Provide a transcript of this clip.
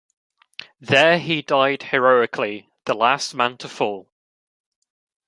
There he died heroically, the last man to fall.